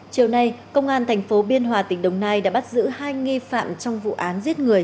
chiều nay công an thành phố biên hòa tỉnh đồng nai đã bắt giữ hai nghi phạm trong vụ án giết người